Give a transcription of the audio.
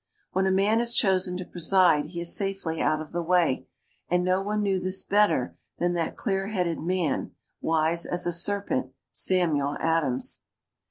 When a man is chosen to preside he is safely out of the way, and no one knew this better than that clear headed man, wise as a serpent, Samuel Adams.